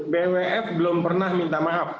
bwf belum pernah minta maaf